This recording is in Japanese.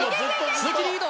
鈴木リード！